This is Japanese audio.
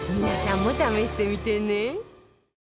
皆さんも試してみてね